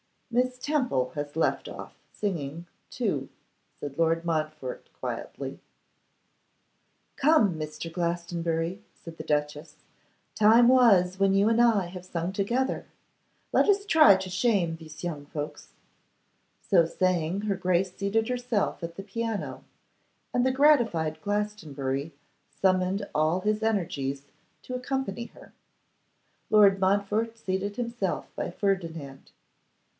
'Miss Temple has left off singing, too,' said Lord Montfort, quietly. 'Come, Mr. Glastonbury,' said the duchess, 'time was when you and I have sung together. Let us try to shame these young folks.' So saying, her Grace seated herself at the piano, and the gratified Glastonbury summoned all his energies to accompany her. Lord Montfort seated himself by Ferdinand.